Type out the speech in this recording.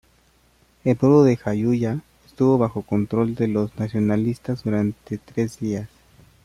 El pueblo de Jayuya estuvo bajo control de los nacionalistas durante tres días.